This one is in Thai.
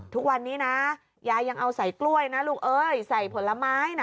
ทุกวันนี้นะยายยังเอาใส่กล้วยนะลูกเอ้ยใส่ผลไม้นะ